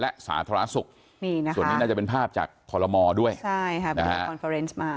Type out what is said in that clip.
และสาธารสุขนี่นะฮะส่วนนี้น่าจะเป็นภาพจากคอลโลมอด้วยใช่ค่ะ